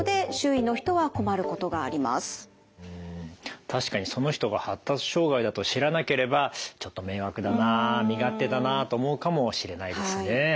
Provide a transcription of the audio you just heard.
うん確かにその人が発達障害だと知らなければちょっと迷惑だな身勝手だなと思うかもしれないですね。